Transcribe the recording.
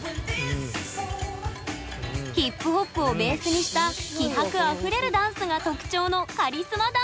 ヒップホップをベースにした気迫あふれるダンスが特徴のカリスマダンサー。